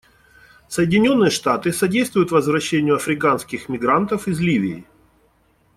Соединенные Штаты содействуют возвращению африканских мигрантов из Ливии.